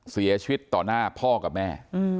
เสียชีวิตต่อหน้าพ่อกับแม่